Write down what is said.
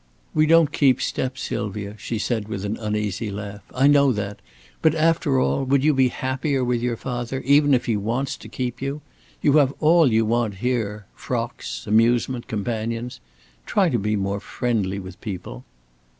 "We don't keep step, Sylvia," she said, with an uneasy laugh. "I know that. But, after all, would you be happier with your father, even if he wants to keep you! You have all you want here frocks, amusement, companions. Try to be more friendly with people."